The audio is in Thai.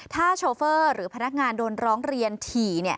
ถ้าโชเฟอร์หรือพนักงานโดนร้องเรียนถี่